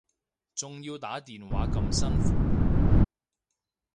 仲要打電話咁辛苦